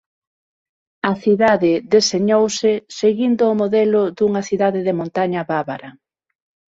A cidade deseñouse seguindo o modelo dunha cidade de montaña bávara.